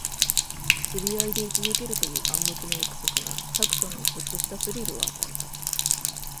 知り合いでい続けるという暗黙の約束が、サクソンにちょっとしたスリルを与えた。